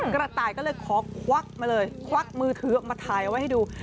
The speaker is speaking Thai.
กระต่ายก็เลยขอควักมาเลยควักมือถือออกมาถ่ายเอาไว้ให้ดู